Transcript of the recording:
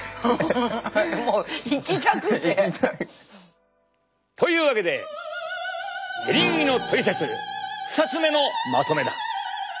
もう行きたくて。というわけでエリンギのトリセツ２つ目のまとめだ。